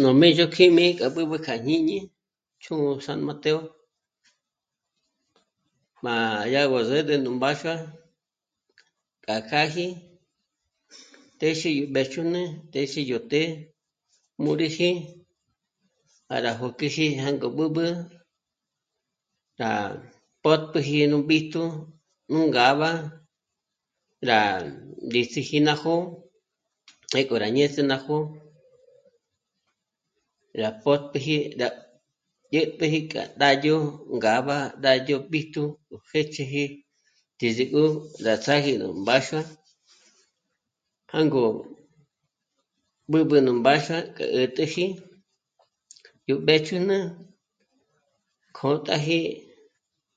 Nú Mizhokjími b'ǚb'ü kja jñíñi chū̀'ū San Mateo má yá gú zä̀t'ä nú mbáxua kja kjâji téxi yó mbéjch'ün'e, téxi yó të́'ë mū́riji para jó k'eji má jângo b'ǚb'ü rá pótpjüji nú b'íjtu nú ngâb'a rá ngéts'iji ná jó'o pjék'o rá ñéze ná jó'o rá pótpjüji rá dyä̀tp'äji k'a ndáyo ngáb'a ndáyó b'íjtu ó jéch'iji ndízik'o rá ts'áji nú mbáxua, jângo b'ǚb'ü nú mbáxua k'a 'ä̀t'äji yó mbéch'ün'e kjö́t'aji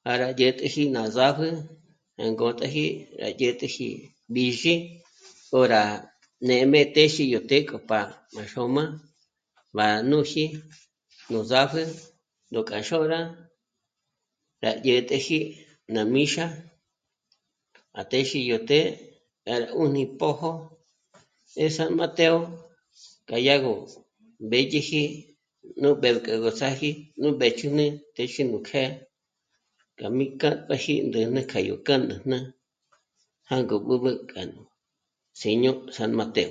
para dyä̀t'äji ná zápjü jângótaji gá dyä̀t'äji b'ízhi ó rá nêm'e téxi të́'ë k'o pa ná xôm'a bá núji nú zápjü yó k'a xôra rá dyä̀t'äji ná míxa à téxi yó të́'ë gá 'ùni pójo é San Mateo k'a yá gó mbédyeji nú mbék'o gú ts'âji nú mbéjch'üne téxi nú kjë́'ë rá mí kjâ'p'aji yó k'ándä̂jnä jângo b'ǚb'ü k'anú síño San Mateo